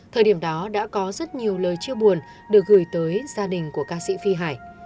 thời điểm đó đã có rất nhiều lời chia buồn được gửi tới gia đình của ca sĩ phi hải